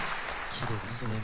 きれいですね